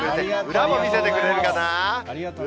裏も見せてくれるかな。